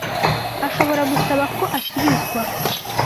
ashobora gusaba ko asubizwa